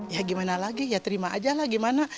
ya gimana lagi ya terima aja lah gimana